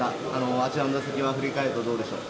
あちらの打席は振り返るとどうでしょう？